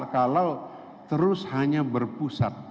kalau terus hanya berpusat